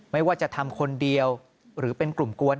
ไม่ว่าจะทำคนเดียวหรือเป็นกลุ่มกวน